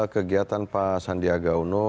kegiatan pak sandiaga uno